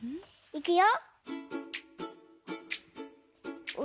いくよ。